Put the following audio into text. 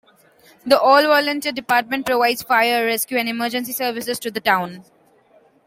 The all-volunteer department provides fire, rescue, and emergency services to the town.